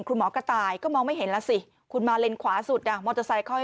ของหมอกระต่ายก็มองไม่เห็นนะสิถคุณมาเล็นขวาสุดขอย